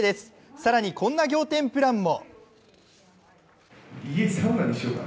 更に、こんな仰天プランも。